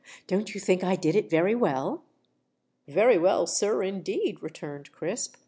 Don't you think I did it very well?" "Very well, sir, indeed," returned Crisp.